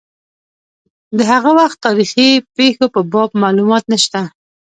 د هغه وخت تاریخي پېښو په باب معلومات نشته.